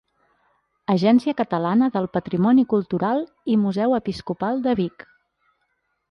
Agència Catalana del Patrimoni Cultural i Museu Episcopal de Vic.